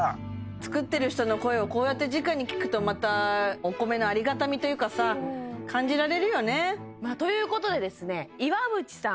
作ってる人の声をこうやってじかに聞くとまたお米のありがたみというかさ感じられるよねということでですね岩渕さん